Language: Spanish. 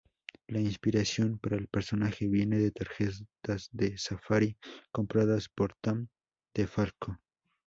La inspiración para el personaje viene de tarjetas de safari compradas por Tom DeFalco.